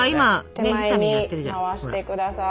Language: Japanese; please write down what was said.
手前に回してください。